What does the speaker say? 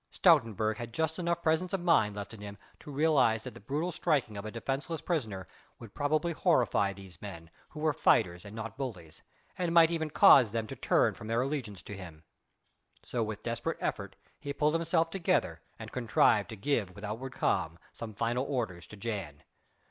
Stoutenburg had just enough presence of mind left in him to realize that the brutal striking of a defenceless prisoner would probably horrify these men, who were fighters and not bullies, and might even cause them to turn from their allegiance to him. So with desperate effort he pulled himself together and contrived to give with outward calm some final orders to Jan.